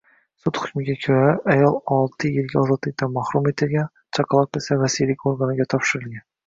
Sud hukmiga ko‘ra, ayololtiyilga ozodlikdan mahrum etilgan, chaqaloq esa vasiylik organlariga topshirilgan